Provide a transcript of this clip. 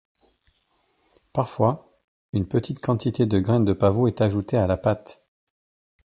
Parfois, une petite quantité de graines de pavot est ajoutée à la pâte.